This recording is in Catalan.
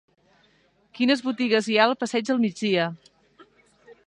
Quines botigues hi ha al passeig del Migdia?